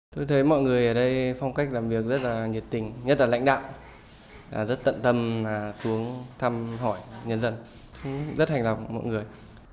tôi thấy mọi người ở đây phong cách làm việc rất là nhiệt tình nhất là lãnh đạo rất tận tâm xuống thăm hỏi nhân dân rất hành động mọi người